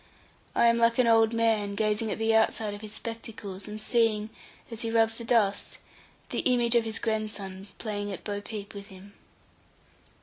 I am like an old man gazing at the outside of his spectacles, and seeing, as he rubs the dust, the image of his grandson playing at bo peep with him.